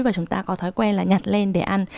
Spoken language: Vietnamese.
và chúng ta có thói quen là nhặt lên để ăn